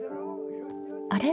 あれ？